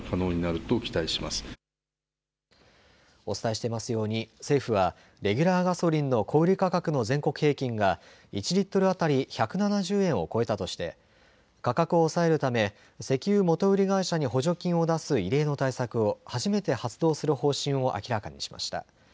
お伝えしていますように政府はレギュラーガソリンの小売価格の全国平均が１リットル当たり１７０円を超えたとして価格を抑えるため石油元売り会社に補助金を出す異例の対策を初めて発動する方針を明らかにしました。